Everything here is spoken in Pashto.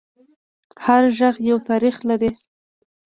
هر غږ یو تاریخ لري